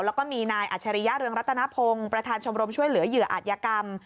แล้วก็มีนายอัจฉริยะเรืองรัตนพงศ์ประธานชมรมช่วยเหลือเหยื่ออาจยกรรม